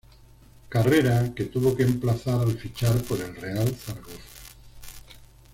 Carrera que tuvo que emplazar al fichar por el Real Zaragoza.